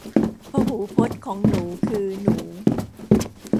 พหูพจน์ของหนูคือหนู